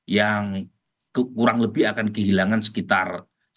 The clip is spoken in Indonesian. yang kurang lebih akan kehilangan sekitar